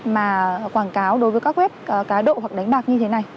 mà quảng cáo đối với các web cá độ hoặc đánh bạc như thế này